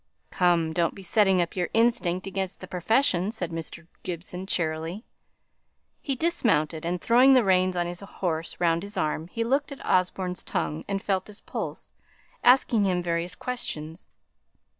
"Come, don't be setting up your instinct against the profession," said Mr. Gibson, cheerily. He dismounted, and throwing the reins of his horse round his arm, he looked at Osborne's tongue and felt his pulse, asking him various questions.